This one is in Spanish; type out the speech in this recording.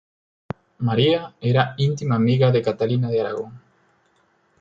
María era íntima amiga de Catalina de Aragón.